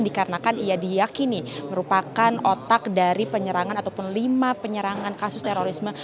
dikarenakan ia diyakini merupakan otak dari penyerangan ataupun lima penyerangan kasus terorisme